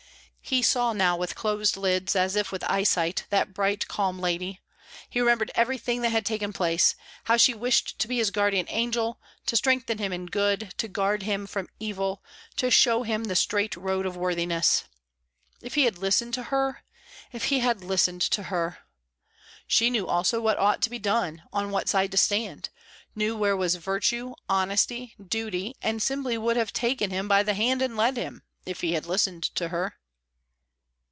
He saw now with closed lids, as if with eyesight, that bright, calm lady; he remembered everything that had taken place, how she wished to be his guardian angel, to strengthen him in good, to guard him from evil, to show him the straight road of worthiness. If he had listened to her, if he had listened to her! She knew also what ought to be done, on what side to stand; knew where was virtue, honesty, duty, and simply would have taken him by the hand and led him, if he had listened to her.